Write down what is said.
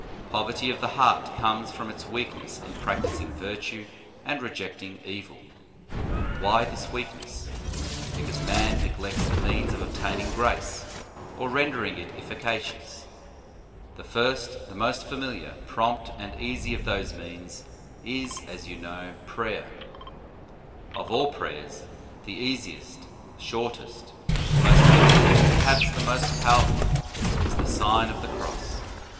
Pov erty of the heart comes from its weakness in practising virtue and rejecting evil. Why this weakness? Because man neglects the * Math. xxiv. 37, 38, 39. Luke xvii. 28. Gen. vi. 12. Ibid. 3. The Sign of the Cross means of obtaining grace, or rendering it efficacious. The first, the most familiar, prompt and easy of those means, is, as you know, prayer. Of all prayers, the easiest, shortest, most familiar, and perhaps the most powerful, is the Sign of the Cross.